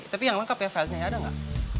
tapi yang lengkap ya filenya ada nggak